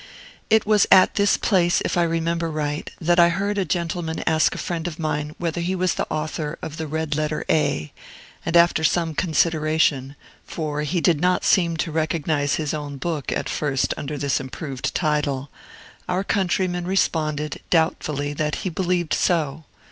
It was at this place, if I remember right, that I heard a gentleman ask a friend of mine whether he was the author of "The Red Letter A"; and, after some consideration (for he did not seem to recognize his own book, at first, under this improved title), our countryman responded, doubtfully, that he believed so.